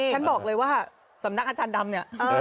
ฉันบอกเลยว่าสำนักอาจารย์ดำเนี่ย